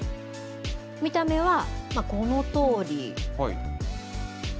見た目はこのとおり。